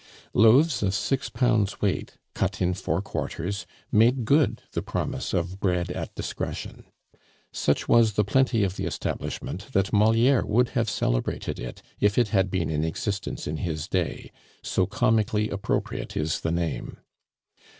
Loaves of six pounds' weight, cut in four quarters, made good the promise of "bread at discretion." Such was the plenty of the establishment, that Moliere would have celebrated it if it had been in existence in his day, so comically appropriate is the name.